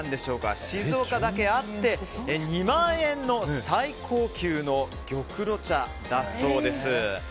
静岡だけあって、２万円の最高級の玉露茶だそうです。